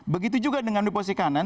begitu juga dengan di posisi kanan